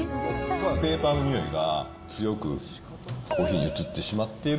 ペーパーのにおいが強くコーヒーに移ってしまっている。